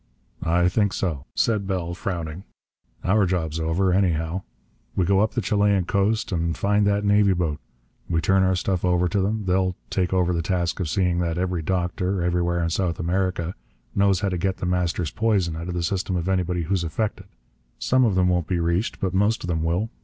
"I think so," said Bell, frowning. "Our job's over, anyhow. We go up the Chilean coast and find that navy boat. We turn our stuff over to them. They'll take over the task of seeing that every doctor, everywhere in South America, knows how to get The Master's poison out of the system of anybody who's affected. Some of them won't be reached, but most of them will.